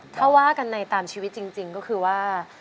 ถ้าว่ากันในตามชีวิตจริงก็คือว่า